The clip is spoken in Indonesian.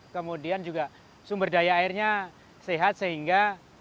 kemudian juga sumber daya airnya sehat sehingga